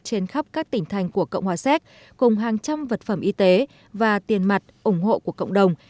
trên khắp các tỉnh thành của cộng hòa séc cùng hàng trăm vật phẩm y tế và tiền mặt ủng hộ của cộng đồng